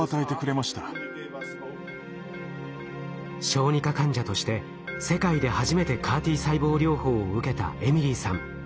小児科患者として世界で初めてＣＡＲ−Ｔ細胞療法を受けたエミリーさん。